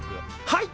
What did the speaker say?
はい！